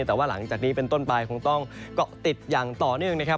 แต่ว่าหลังจากนี้เป็นต้นไปคงต้องเกาะติดอย่างต่อเนื่องนะครับ